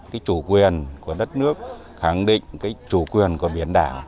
cái chủ quyền của đất nước khẳng định cái chủ quyền của biển đảo